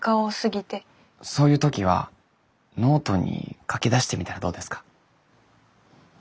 そういう時はノートに書きだしてみたらどうですか？